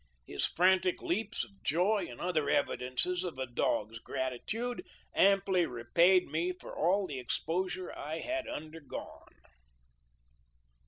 His frantic leaps of joy and other evidences of a. dog's gratitude amply repaid me for all the exposure I had undergone."